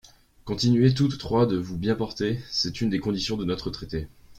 Continuez toutes trois de vous bien porter : c'est une des conditions de notre traité.